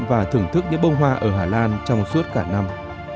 và thưởng thức những bông hoa ở hà lan trong suốt cả năm